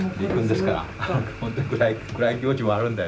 もっと暗い気持ちもあるんだよ